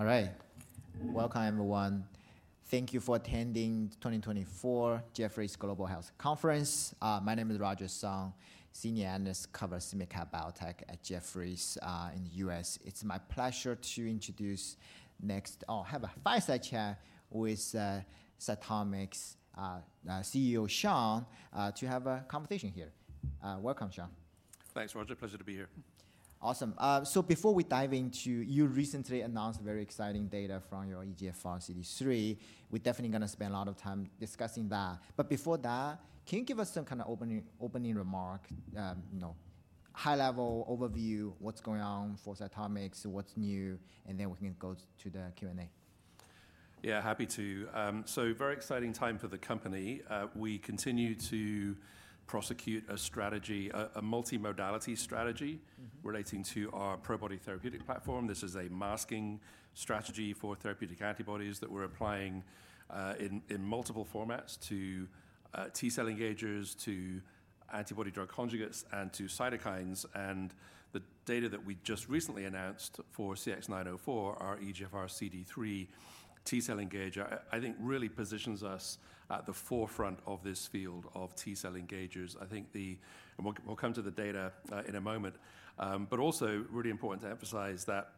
All right. Welcome, everyone. Thank you for attending 2024 Jefferies Global Health Conference. My name is Roger Song, Senior Analyst covering SMID-cap biotech at Jefferies, in the U.S. It's my pleasure to introduce next or have a fireside chat with CytomX CEO Sean to have a conversation here. Welcome, Sean. Thanks, Roger. Pleasure to be here. Awesome. So before we dive into, you recently announced very exciting data from your EGFR CD3. We're definitely gonna spend a lot of time discussing that, but before that, can you give us some kind of opening, opening remark, you know, high-level overview, what's going on for CytomX, what's new, and then we can go to the Q&A? Yeah, happy to. So very exciting time for the company. We continue to prosecute a strategy, multimodality strategy- Mm-hmm. relating to our Probody therapeutic platform. This is a masking strategy for therapeutic antibodies that we're applying in multiple formats to T-cell engagers, to antibody-drug conjugates, and to cytokines. And the data that we just recently announced for CX-904, our EGFR CD3 T-cell engager, I think really positions us at the forefront of this field of T-cell engagers. And we'll come to the data in a moment. But also really important to emphasize that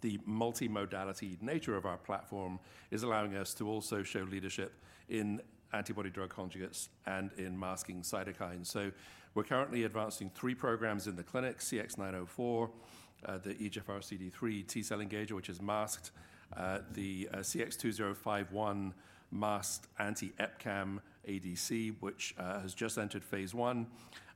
the multimodality nature of our platform is allowing us to also show leadership in antibody-drug conjugates and in masking cytokines. So we're currently advancing three programs in the clinic: CX-904, the EGFR CD3 T-cell engager, which is masked; the CX-2051 masked anti-EpCAM ADC, which has just entered phase I;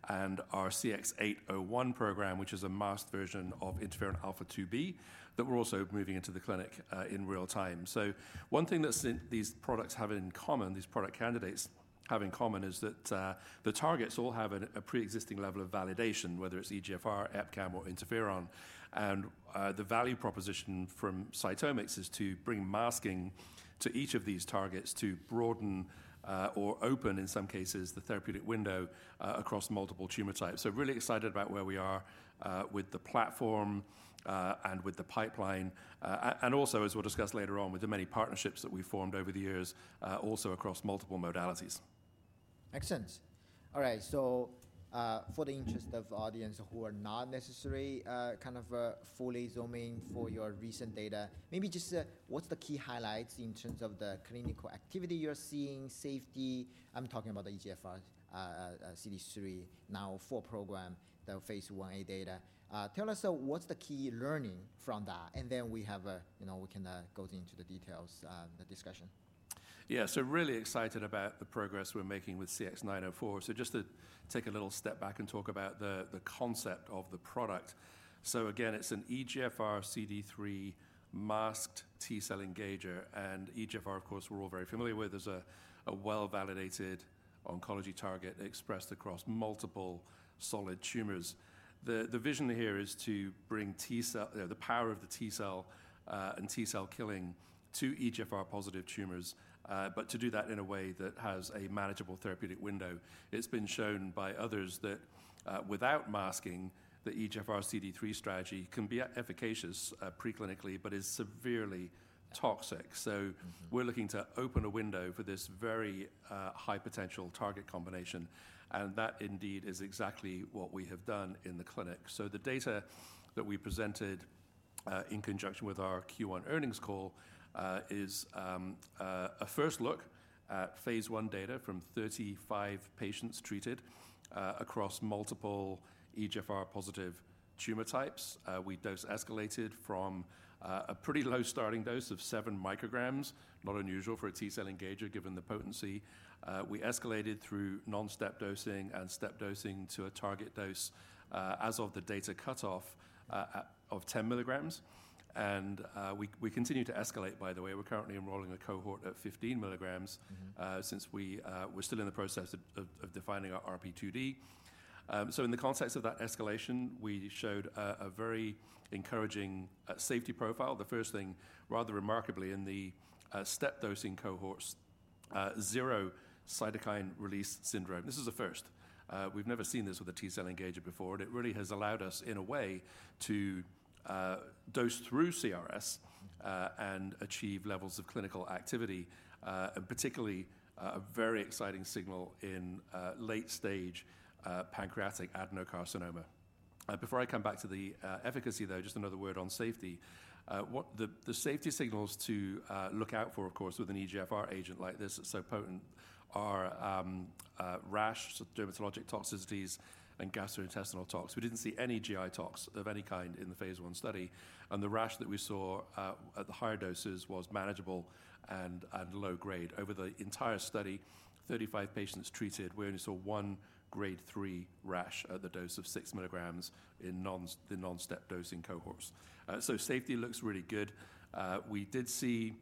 and our CX-801 program, which is a masked version of interferon alpha-2b, that we're also moving into the clinic, in real time. So one thing that these products have in common, these product candidates have in common, is that, the targets all have an, a pre-existing level of validation, whether it's EGFR, EpCAM, or interferon. And, the value proposition from CytomX is to bring masking to each of these targets to broaden, or open, in some cases, the therapeutic window, across multiple tumor types. So really excited about where we are with the platform and with the pipeline and also, as we'll discuss later on, with the many partnerships that we've formed over the years also across multiple modalities. Excellent. All right, so, for the interest of audience who are not necessarily, kind of, fully zooming for your recent data, maybe just, what's the key highlights in terms of the clinical activity you're seeing, safety? I'm talking about the EGFR, CD3 904 program, the phase I-A data. Tell us, so what's the key learning from that? And then we have a, you know, we can, go into the details of the discussion. Yeah. So really excited about the progress we're making with CX-904. So just to take a little step back and talk about the concept of the product. So again, it's an EGFR CD3 masked T-cell engager, and EGFR, of course, we're all very familiar with, is a well-validated oncology target expressed across multiple solid tumors. The vision here is to bring T cell, the power of the T cell, and T-cell killing to EGFR-positive tumors, but to do that in a way that has a manageable therapeutic window. It's been shown by others that, without masking, the EGFR CD3 strategy can be efficacious, preclinically, but is severely toxic. Mm-hmm. We're looking to open a window for this very high potential target combination, and that indeed is exactly what we have done in the clinic. The data that we presented in conjunction with our Q1 earnings call is a first look at phase I data from 35 patients treated across multiple EGFR-positive tumor types. We dose escalated from a pretty low starting dose of seven micrograms, not unusual for a T-cell engager, given the potency. We escalated through non-step dosing and step dosing to a target dose, as of the data cutoff, of 10 mg. We continue to escalate, by the way. We're currently enrolling a cohort at 15 mg- Mm-hmm. Since we're still in the process of defining our RP2D. So in the context of that escalation, we showed a very encouraging safety profile. The first thing, rather remarkably in the step dosing cohorts, zero cytokine release syndrome. This is a first. We've never seen this with a T cell engager before, and it really has allowed us, in a way, to dose through CRS- Mm-hmm... and achieve levels of clinical activity, and particularly, a very exciting signal in late-stage pancreatic adenocarcinoma. Before I come back to the efficacy, though, just another word on safety. What the safety signals to look out for, of course, with an EGFR agent like this, that's so potent, are rash, so dermatologic toxicities, and gastrointestinal tox. We didn't see any GI tox of any kind in the phase I study, and the rash that we saw at the higher doses was manageable and at low grade. Over the entire study, 35 patients treated, we only saw one Grade 3 rash at the dose of six milligrams in the non-step dosing cohorts. So safety looks really good. We did see,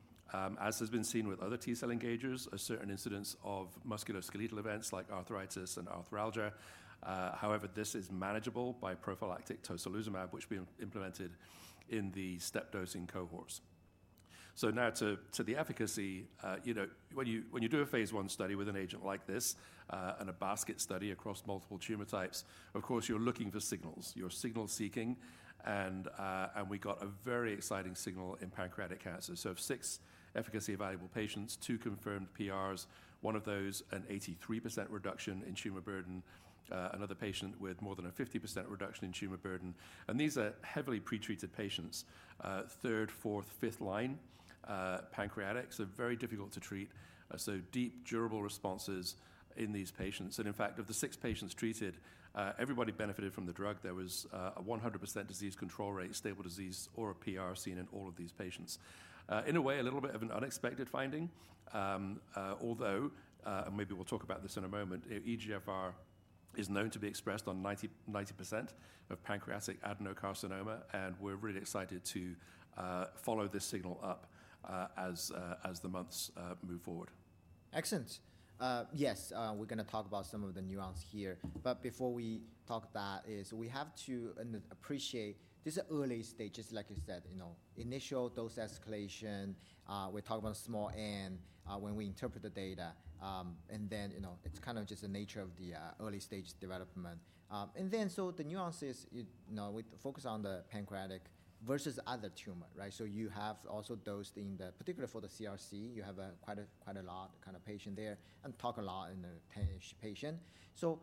as has been seen with other T-cell engagers, a certain incidence of musculoskeletal events like arthritis and arthralgia. However, this is manageable by prophylactic tocilizumab, which we implemented in the step dosing cohorts. So now to the efficacy, you know, when you do a phase I study with an agent like this, and a basket study across multiple tumor types, of course, you're looking for signals. You're signal seeking, and we got a very exciting signal in pancreatic cancer. So of six efficacy evaluable patients, two confirmed PRs, one of those an 83% reduction in tumor burden, another patient with more than a 50% reduction in tumor burden, and these are heavily pre-treated patients. Third, fourth, fifth line, pancreatics are very difficult to treat, so deep, durable responses in these patients. And in fact, of the six patients treated, everybody benefited from the drug. There was a 100% disease control rate, stable disease, or a PR seen in all of these patients. In a way, a little bit of an unexpected finding, although, and maybe we'll talk about this in a moment, EGFR is known to be expressed on 90% of pancreatic adenocarcinoma, and we're really excited to follow this signal up, as the months move forward. Excellent. Yes, we're gonna talk about some of the nuance here, but before we talk, that is, we have to appreciate this is early stages, like you said, you know, initial dose escalation. We're talking about small N when we interpret the data. And then, you know, it's kind of just the nature of the early stage development. And then, so the nuance is, you know, we focus on the pancreatic versus other tumor, right? So you have also dosed in the particular for the CRC. You have quite a lot kind of patient there and talk a lot in the ten-ish patients. So,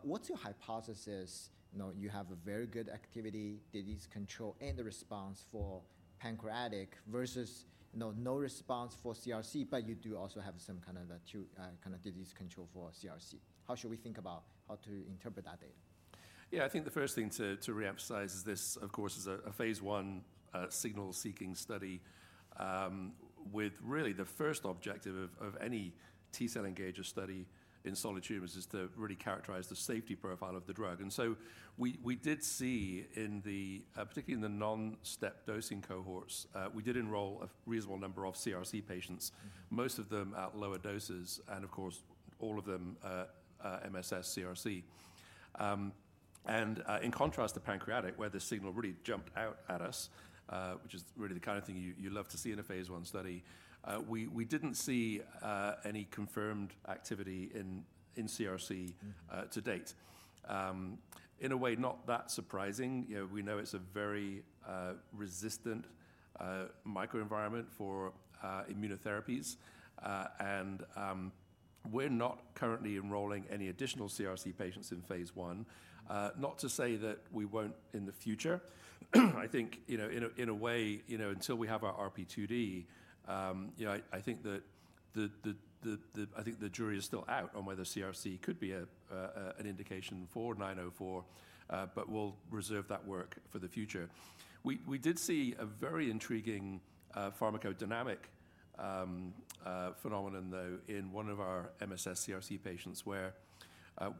what's your hypothesis? You know, you have a very good activity, disease control, and the response for pancreatic versus, you know, no response for CRC, but you do also have some kind of a two, kind of disease control for CRC. How should we think about how to interpret that data? Yeah, I think the first thing to reemphasize is this, of course, is a phase I signal-seeking study with really the first objective of any T-cell engager study in solid tumors is to really characterize the safety profile of the drug. And so we did see, particularly in the non-step dosing cohorts, we did enroll a reasonable number of CRC patients, most of them at lower doses, and of course, all of them MSS CRC. And in contrast to pancreatic, where the signal really jumped out at us, which is really the kind of thing you love to see in a phase I study, we didn't see any confirmed activity in CRC to date. In a way, not that surprising. You know, we know it's a very resistant microenvironment for immunotherapies. We're not currently enrolling any additional CRC patients in phase I. Not to say that we won't in the future. I think, you know, in a way, you know, until we have our RP2D, you know, I think the jury is still out on whether CRC could be an indication for 904, but we'll reserve that work for the future. We did see a very intriguing pharmacodynamic phenomenon, though, in one of our MSS CRC patients, where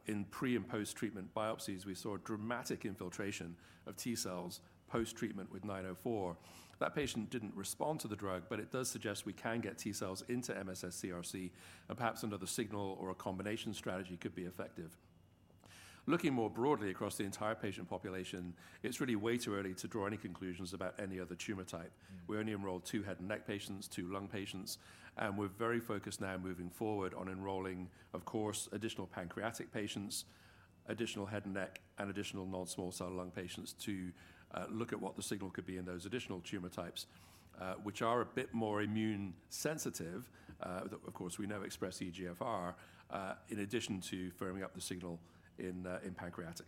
in pre- and post-treatment biopsies, we saw a dramatic infiltration of T cells post-treatment with 904. That patient didn't respond to the drug, but it does suggest we can get T cells into MSS CRC, and perhaps another signal or a combination strategy could be effective. Looking more broadly across the entire patient population, it's really way too early to draw any conclusions about any other tumor type. Mm-hmm. We only enrolled two head and neck patients, two lung patients, and we're very focused now moving forward on enrolling, of course, additional pancreatic patients, additional head and neck, and additional non-small cell lung patients to look at what the signal could be in those additional tumor types, which are a bit more immune sensitive. Of course, we know express EGFR in addition to firming up the signal in pancreatic.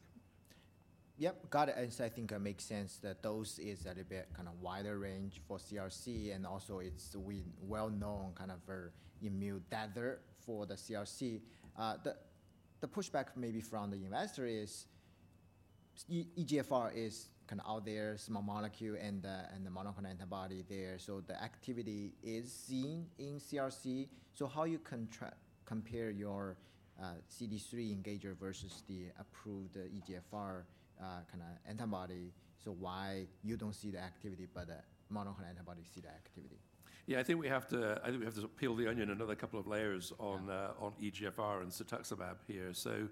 Yep, got it. And so I think it makes sense that that is a little bit kind of wider range for CRC, and also it's well known kind of our immune desert for the CRC. The pushback maybe from the investor is EGFR is kind of out there, small molecule and the monoclonal antibody there, so the activity is seen in CRC. So how you contrast compare your CD3 engager versus the approved EGFR kind of antibody, so why you don't see the activity, but the monoclonal antibody see the activity? Yeah, I think we have to, I think we have to peel the onion another couple of layers on- Yeah. - On EGFR and cetuximab here. So,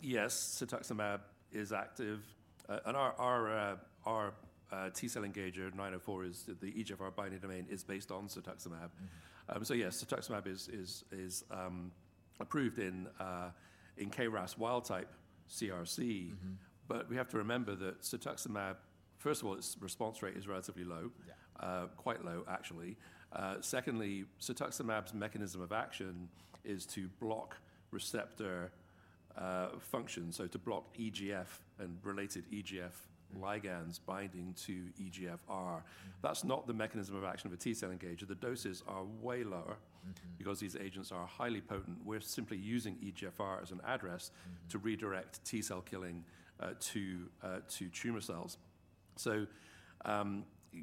yes, cetuximab is active, and our T-cell engager, 904, is the EGFR binding domain based on cetuximab. Mm-hmm. So yes, cetuximab is approved in KRAS wild type CRC. Mm-hmm. We have to remember that cetuximab, first of all, its response rate is relatively low. Yeah. Quite low, actually. Secondly, cetuximab's mechanism of action is to block receptor function, so to block EGF and related EGF- Mm. - ligands binding to EGFR. Mm-hmm. That's not the mechanism of action of a T-cell engager. The doses are way lower- Mm-hmm. because these agents are highly potent. We're simply using EGFR as an address- Mm. - to redirect T-cell killing to tumor cells. So,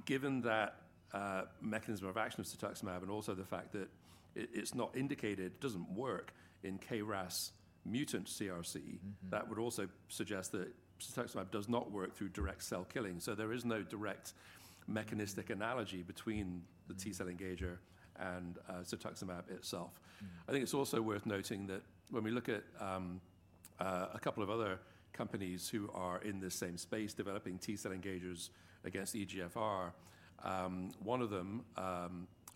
given that, mechanism of action of cetuximab and also the fact that it, it's not indicated, doesn't work in KRAS mutant CRC- Mm-hmm. That would also suggest that cetuximab does not work through direct cell killing. So there is no direct mechanistic analogy between the T cell engager and cetuximab itself. Mm-hmm. I think it's also worth noting that when we look at a couple of other companies who are in this same space, developing T-cell engagers against EGFR. One of them,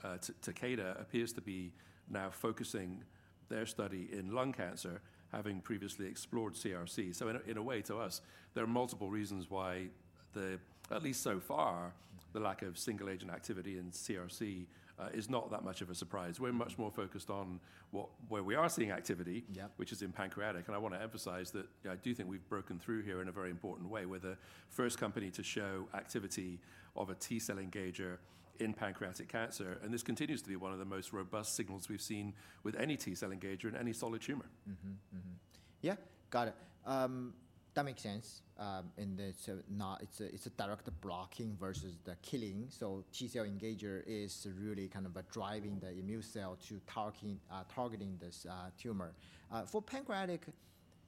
Takeda, appears to be now focusing their study in lung cancer, having previously explored CRC. So in a way, to us, there are multiple reasons why the, at least so far, the lack of single agent activity in CRC is not that much of a surprise. We're much more focused on what - where we are seeing activity- Yeah. which is in pancreatic. I want to emphasize that I do think we've broken through here in a very important way. We're the first company to show activity of a T-cell engager in pancreatic cancer, and this continues to be one of the most robust signals we've seen with any T-cell engager in any solid tumor. Mm-hmm. Mm-hmm. Yeah, got it. That makes sense, and it's not—it's a direct blocking versus the killing. So T-cell engager is really kind of driving the immune cell to talking, targeting this tumor. For pancreatic,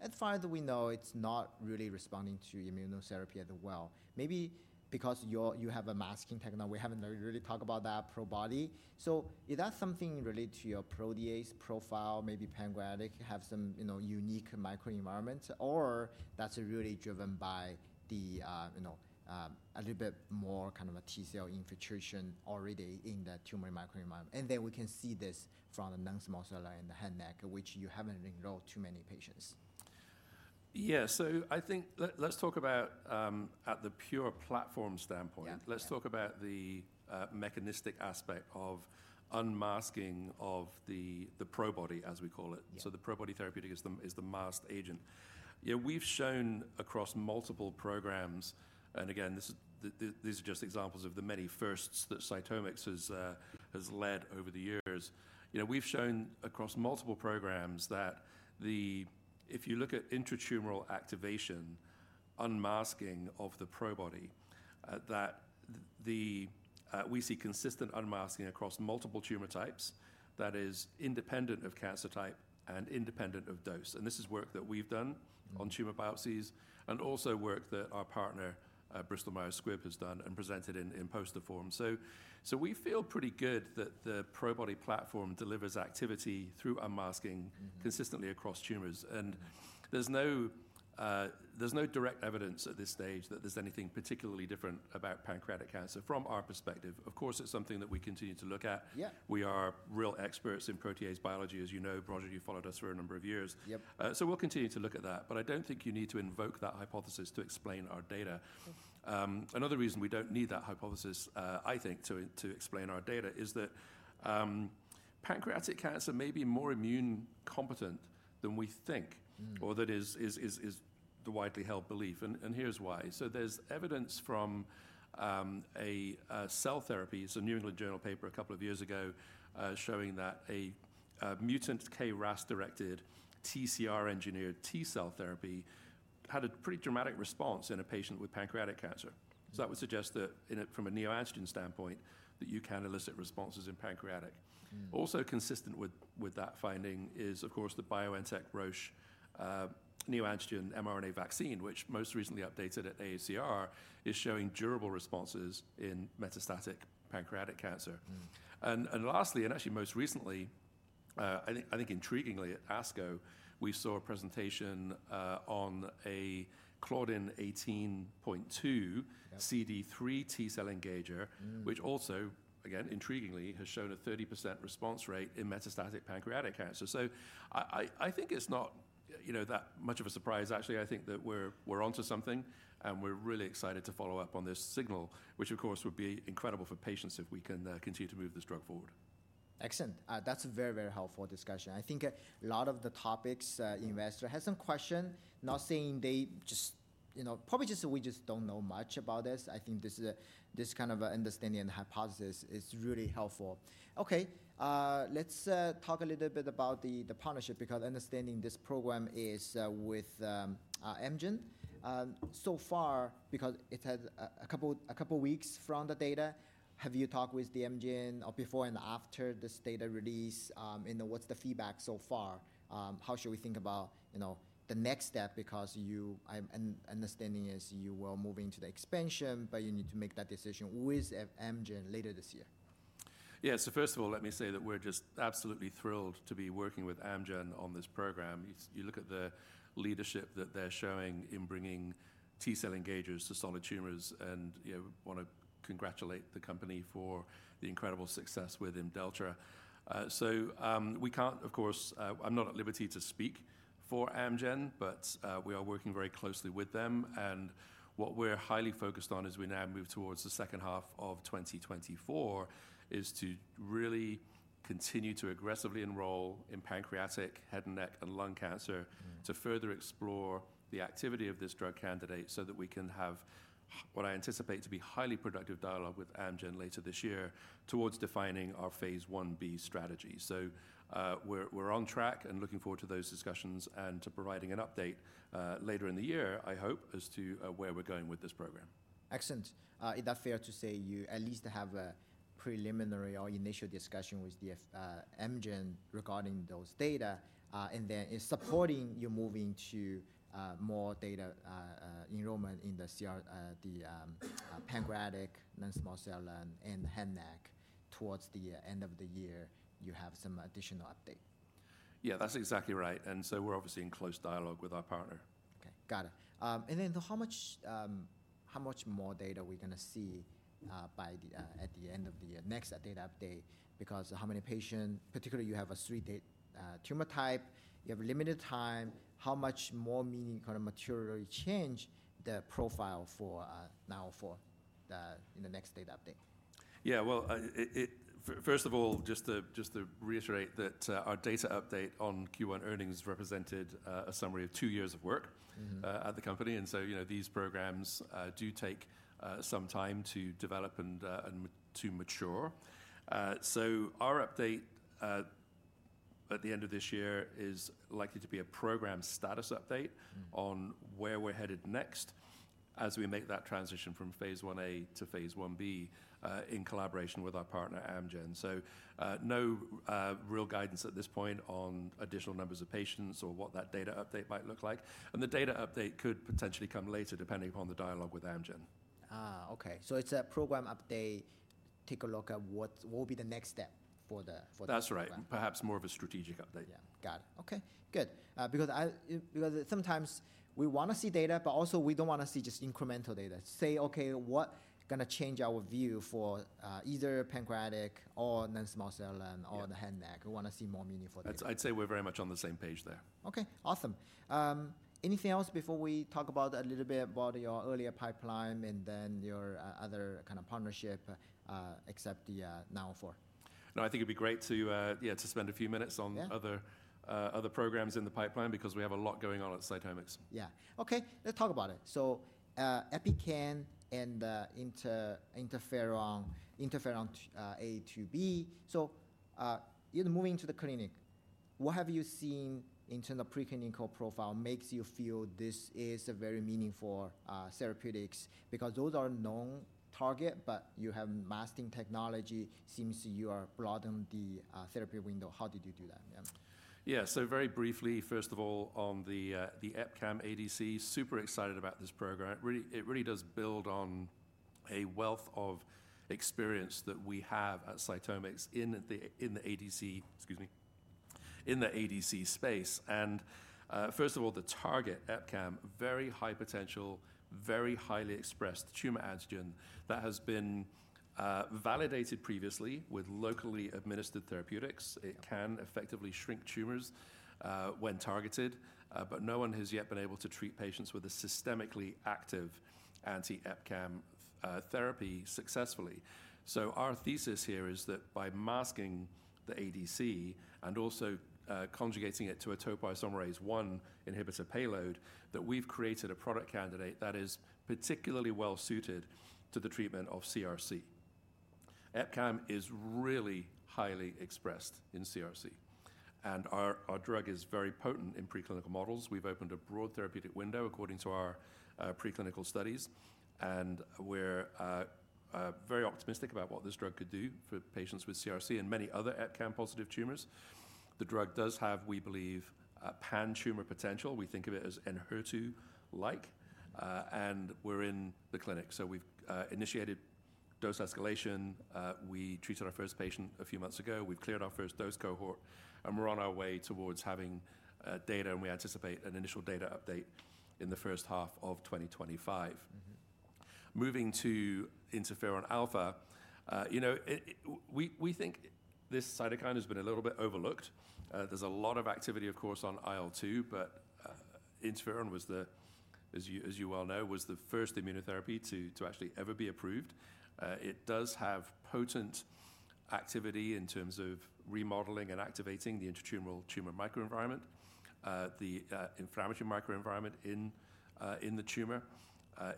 as far as we know, it's not really responding to immunotherapy as well. Maybe because you have a masking technology. We haven't really talked about that Probody. So is that something related to your protease profile? Maybe pancreatic have some, you know, unique microenvironments, or that's really driven by the, you know, a little bit more kind of a T-cell infiltration already in that tumor microenvironment. And then we can see this from the non-small cell and the head and neck, which you haven't enrolled too many patients. Yeah. So I think let's talk about at the pure platform standpoint. Yeah. Yeah. Let's talk about the mechanistic aspect of unmasking of the Probody, as we call it. Yeah. So the Probody therapeutic is the masked agent. Yeah, we've shown across multiple programs, and again, these are just examples of the many firsts that CytomX has led over the years. You know, we've shown across multiple programs that if you look at intratumoral activation, unmasking of the Probody, that we see consistent unmasking across multiple tumor types that is independent of cancer type and independent of dose, and this is work that we've done- Mm. -on tumor biopsies, and also work that our partner, Bristol Myers Squibb, has done and presented in poster form. So we feel pretty good that the Probody platform delivers activity through unmasking- Mm-hmm. -consistently across tumors. And there's no, there's no direct evidence at this stage that there's anything particularly different about pancreatic cancer from our perspective. Of course, it's something that we continue to look at. Yeah. We are real experts in protease biology, as you know, Roger, you've followed us for a number of years. Yep. So we'll continue to look at that, but I don't think you need to invoke that hypothesis to explain our data. Okay. Another reason we don't need that hypothesis, I think, to explain our data is that pancreatic cancer may be more immunocompetent than we think. Mm. Or that is the widely held belief, and here's why. So there's evidence from a cell therapy. It's a New England Journal paper a couple of years ago, showing that a mutant KRAS-directed TCR-engineered T-cell therapy had a pretty dramatic response in a patient with pancreatic cancer. So that would suggest that from a neoantigen standpoint, that you can elicit responses in pancreatic. Mm. Also consistent with that finding is, of course, the BioNTech/Roche neoantigen mRNA vaccine, which most recently updated at AACR, is showing durable responses in metastatic pancreatic cancer. Mm. And lastly, actually most recently, I think, I think intriguingly at ASCO, we saw a presentation on a claudin 18.2- Yeah. CD3 T-cell engager Mm. -which also, again, intriguingly, has shown a 30% response rate in metastatic pancreatic cancer. So I think it's not, you know, that much of a surprise actually. I think that we're onto something, and we're really excited to follow up on this signal, which of course would be incredible for patients if we can continue to move this drug forward. Excellent. That's a very, very helpful discussion. I think a lot of the topics, investor has some question. Not saying they just... You know, probably just that we just don't know much about this. I think this is a this kind of understanding and hypothesis is really helpful. Okay, let's talk a little bit about the partnership, because understanding this program is with Amgen. So far, because it has a couple weeks from the data, have you talked with the Amgen before and after this data release? And what's the feedback so far? How should we think about, you know, the next step? Because you, understanding is you were moving to the expansion, but you need to make that decision with Amgen later this year. Yeah. So first of all, let me say that we're just absolutely thrilled to be working with Amgen on this program. You look at the leadership that they're showing in bringing T-cell engagers to solid tumors, and, you know, want to congratulate the company for the incredible success with Imdelltra. So, of course, I'm not at liberty to speak for Amgen, but, we are working very closely with them. And what we're highly focused on as we now move towards the second half of 2024, is to really continue to aggressively enroll in pancreatic, head and neck, and lung cancer- Mm. to further explore the activity of this drug candidate so that we can have what I anticipate to be highly productive dialogue with Amgen later this year towards defining our phase I-B strategy. So, we're on track and looking forward to those discussions and to providing an update later in the year, I hope, as to where we're going with this program. Excellent. Is that fair to say you at least have a preliminary or initial discussion with the Amgen regarding those data, and then it's supporting you moving to more data, enrollment in the pancreatic, non-small cell, and head, neck? Towards the end of the year, you have some additional update? Yeah, that's exactly right, and so we're obviously in close dialogue with our partner. Okay, got it. And then how much, how much more data are we gonna see at the end of the year, next data update? Because how many patients, particularly you have a three different tumor type, you have limited time, how much more meaningful or materially change the profile for now in the next data update? Yeah, well, first of all, just to reiterate that, our data update on Q1 earnings represented a summary of two years of work- Mm-hmm. At the company, you know, these programs do take some time to develop and to mature. Our update at the end of this year is likely to be a program status update. Mm. -on where we're headed next as we make that transition from phase I-A to phase I-B, in collaboration with our partner, Amgen. So, no real guidance at this point on additional numbers of patients or what that data update might look like, and the data update could potentially come later, depending upon the dialogue with Amgen. Ah, okay. So it's a program update. Take a look at what will be the next step for the program? That's right. Perhaps more of a strategic update. Yeah. Got it. Okay, good. Because I, because sometimes we wanna see data, but also we don't wanna see just incremental data. Say, okay, what gonna change our view for, either pancreatic or non-small cell lung- Yeah. or the head, neck? We wanna see more meaningful data. I'd say we're very much on the same page there. Okay, awesome. Anything else before we talk about a little bit about your earlier pipeline and then your other kind of partnership, except the 904? No, I think it'd be great to spend a few minutes on- Yeah... other programs in the pipeline, because we have a lot going on at CytomX. Yeah. Okay, let's talk about it. So, EpCAM and the interferon alpha-2b. So, in moving to the clinic, what have you seen in terms of preclinical profile makes you feel this is a very meaningful therapeutics? Because those are known target, but you have masking technology, seems you are broaden the therapy window. How did you do that? Yeah. Yeah. So very briefly, first of all, on the EpCAM ADC, super excited about this program. It really, it really does build on a wealth of experience that we have at CytomX in the ADC space, and first of all, the target EpCAM, very high potential, very highly expressed tumor antigen that has been validated previously with locally administered therapeutics. Yeah. It can effectively shrink tumors, when targeted, but no one has yet been able to treat patients with a systemically active anti-EpCAM therapy successfully. So our thesis here is that by masking the ADC and also, conjugating it to a topoisomerase I inhibitor payload, that we've created a product candidate that is particularly well-suited to the treatment of CRC. EpCAM is really highly expressed in CRC, and our, our drug is very potent in preclinical models. We've opened a broad therapeutic window according to our, preclinical studies, and we're, very optimistic about what this drug could do for patients with CRC and many other EpCAM-positive tumors. The drug does have, we believe, a pan-tumor potential. We think of it as an HER2-like, and we're in the clinic. So we've, initiated dose escalation. We treated our first patient a few months ago. We've cleared our first dose cohort, and we're on our way towards having, data, and we anticipate an initial data update in the first half of 2025. Mm-hmm. Moving to interferon alpha, you know, we think this cytokine has been a little bit overlooked. There's a lot of activity, of course, on IL-2, but interferon, as you well know, was the first immunotherapy to actually ever be approved. It does have potent activity in terms of remodeling and activating the intratumoral tumor microenvironment, the inflammatory microenvironment in the tumor.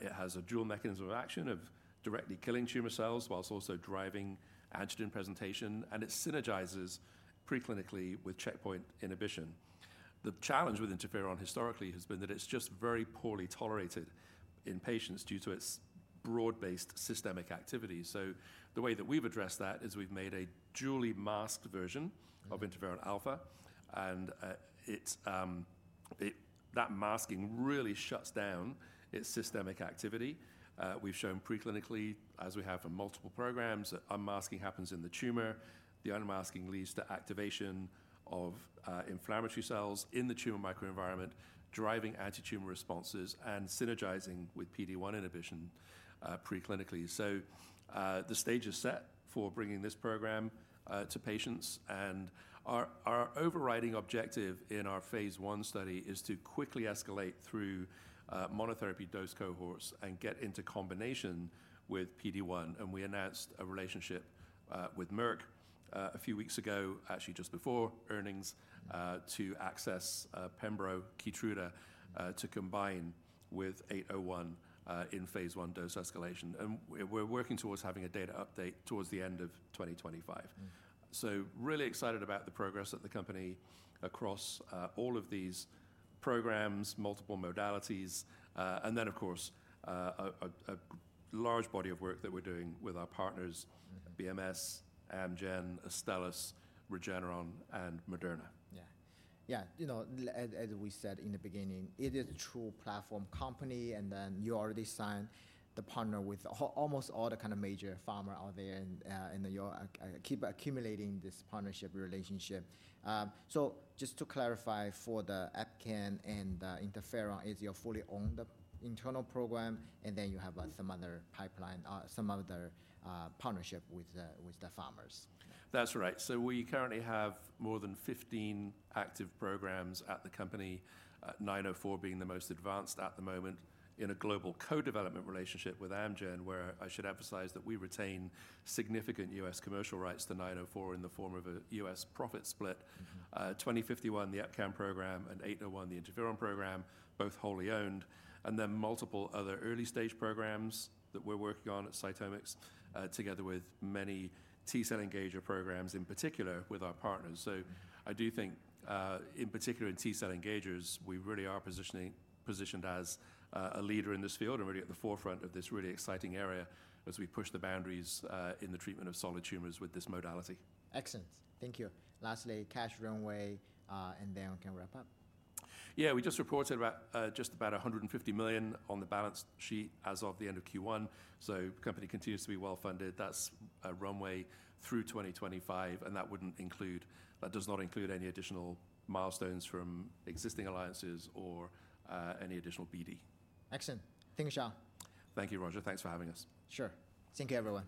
It has a dual mechanism of action of directly killing tumor cells while also driving antigen presentation, and it synergizes preclinically with checkpoint inhibition. The challenge with interferon historically has been that it's just very poorly tolerated in patients due to its broad-based systemic activity. So the way that we've addressed that is we've made a dually masked version- Mm. of interferon alpha, and it's that masking really shuts down its systemic activity. We've shown preclinically, as we have for multiple programs, that unmasking happens in the tumor. The unmasking leads to activation of inflammatory cells in the tumor microenvironment, driving antitumor responses and synergizing with PD-1 inhibition preclinically. So, the stage is set for bringing this program to patients, and our overriding objective in our phase I study is to quickly escalate through monotherapy dose cohorts and get into combination with PD-1. We announced a relationship with Merck a few weeks ago, actually just before earnings, to access pembro Keytruda to combine with 801 in phase I dose escalation. We're working towards having a data update towards the end of 2025. Mm. So really excited about the progress at the company across all of these programs, multiple modalities, and then, of course, a large body of work that we're doing with our partners- Mm-hmm... BMS, Amgen, Astellas, Regeneron, and Moderna. Yeah. Yeah, you know, as we said in the beginning, it is a true platform company, and then you already signed the partner with almost all the kind of major pharma out there, and you are keep accumulating this partnership relationship. So just to clarify for the EpCAM and the interferon, is your fully owned internal program, and then you have some other pipeline, some other partnership with the pharmas? That's right. We currently have more than 15 active programs at the company, 904 being the most advanced at the moment in a global co-development relationship with Amgen, where I should emphasize that we retain significant U.S. commercial rights to 904 in the form of a U.S. profit split. Mm-hmm. 2051, the EpCAM program, and 801, the interferon program, both wholly owned, and then multiple other early-stage programs that we're working on at CytomX, together with many T-cell engager programs, in particular with our partners. So I do think, in particular in T-cell engagers, we really are positioning, positioned as, a leader in this field and really at the forefront of this really exciting area as we push the boundaries, in the treatment of solid tumors with this modality. Excellent. Thank you. Lastly, cash runway, and then we can wrap up. Yeah, we just reported about just about $150 million on the balance sheet as of the end of Q1, so company continues to be well-funded. That's a runway through 2025, and that wouldn't include--that does not include any additional milestones from existing alliances or any additional BD. Excellent. Thank you, Sean. Thank you, Roger. Thanks for having us. Sure. Thank you, everyone.